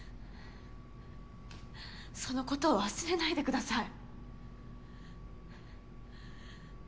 そのことを忘れないでください。